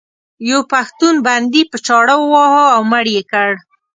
یو پښتون بندي په چاړه وواهه او مړ یې کړ.